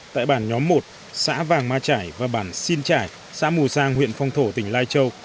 tại bản nhóm một xã vàng ma trải và bản xin trải xã mù sang huyện phong thổ tỉnh lai châu